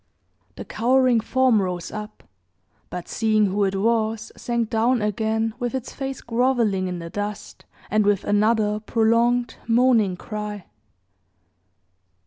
The cowering form rose up; but, seeing who it was, sank down again, with its face groveling in the dust, and with another prolonged, moaning cry.